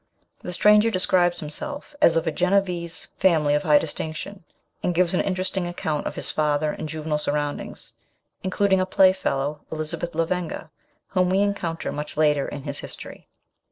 The stranger describes himself as of a Genevese family of high distinction, and gives an interesting account ot his father and juvenile surroundings, including a playfellow, Elizabeth Lavenga, whom we encounter much later in his history.